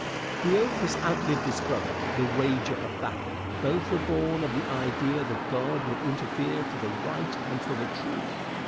The oath has outlived its brother, "the wager of battle." Both were born of the idea that God would interfere for the right and for the truth.